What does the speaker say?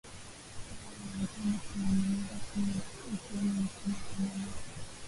Baada ya Marekani kwani imeweza kuwa usemi mkubwa sana na